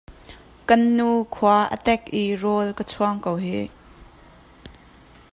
Kan nu khua a tek i rawl ka chuang ko hih.